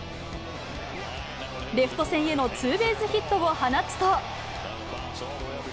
レフト線へのツーベースヒットを放つと。